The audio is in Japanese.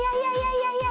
いやいや。